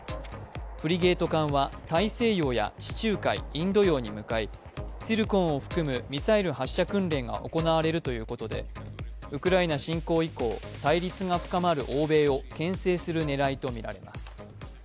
フリゲート艦は大西洋や地中海、インド洋に向かいツィルコンを含むミサイル発射訓練が行われるということでウクライナ侵攻以降、対立が深まる欧米をけん制する狙いとみられます。